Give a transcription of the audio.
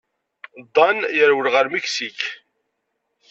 Dan yerwel ɣer Miksik.